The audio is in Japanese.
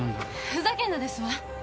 ふざけんなですわ。